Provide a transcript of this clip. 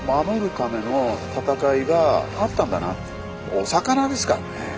お魚ですからね。